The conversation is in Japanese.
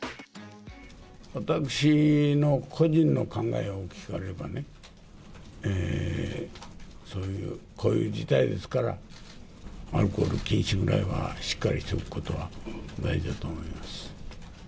私の個人の考えを聞かれればね、こういう事態ですから、アルコール禁止ぐらいはしっかりしておくことは大事だと思います。